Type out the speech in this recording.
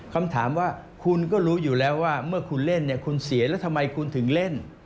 คำถามว่าคุณก็รู้อยู่แล้วว่าเมื่อคุณเล่นเนี่ยคุณเสียแล้วทำไมคุณถึงเล่น